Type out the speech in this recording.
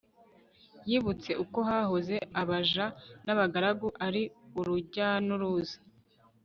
yibutse uko hahoze, abaja n'abagaragu ari urujyan'uruza